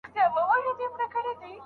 لارښود به د شاګرد مخالفت په خوښۍ مني.